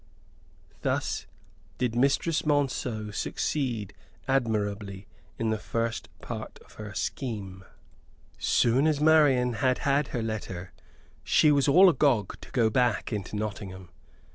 Thus did Mistress Monceux succeed admirably in the first part of her scheme. Soon as Marian had had her letter she was all agog to go back into Nottingham.